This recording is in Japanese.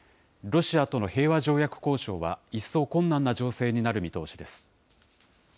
ロシアとの平和条約交渉は、一層困難な情勢になる見通しです。